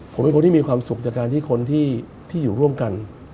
ผมเป็นคนที่มีความสุขจากการที่คนที่อยู่ร่วมกัน